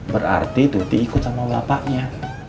berarti tuti ikut sama bapaknya